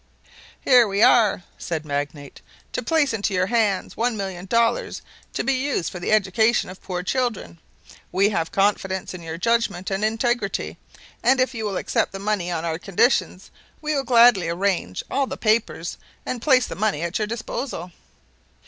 "We are here," said Magnate, "to place into your hands one million dollars to be used for the education of poor children. We have confidence in your judgment and integrity, and if you will accept the money on our conditions, we will gladly arrange all papers and place the money at your disposal."